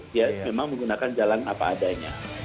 dia memang menggunakan jalan apa adanya